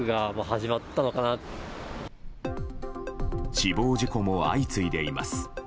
死亡事故も相次いでいます。